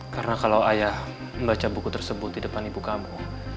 karena kalau ayah membaca buku tersebut di depan ibu kamu